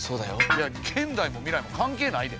いや現代も未来も関係ないで。